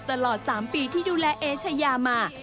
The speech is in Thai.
ตลอด๓ปีที่ดูแลเอเชยามา